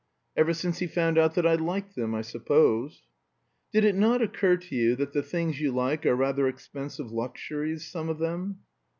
"Ever since he found out that I liked them, I suppose." "Did it not occur to you that the things you like are rather expensive luxuries, some of them?"